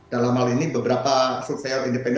dalam hal ini beberapa survey an